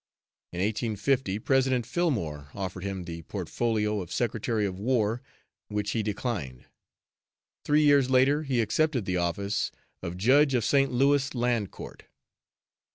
In 1850, President Fillmore offered him the portfolio of Secretary of War, which he declined. Three years later, he accepted the office of Judge of St. Louis Land Court.